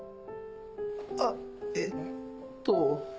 あえっと。